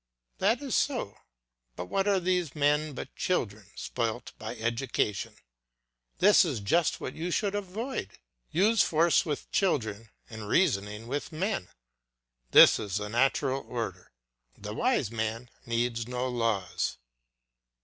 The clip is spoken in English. That is so, but what are these men but children spoilt by education? This is just what you should avoid. Use force with children and reasoning with men; this is the natural order; the wise man needs no laws.